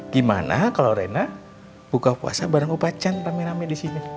gimana kalo rena buka puasa bareng opa can rame rame disini